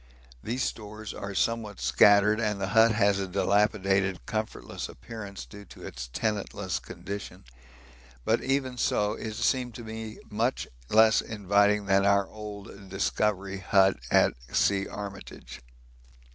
These stores are somewhat scattered, and the hut has a dilapidated, comfortless appearance due to its tenantless condition; but even so it seemed to me much less inviting than our old Discovery hut at C. Armitage.